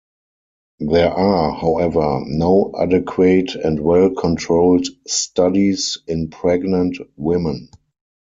There are, however, no adequate and well-controlled studies in pregnant women.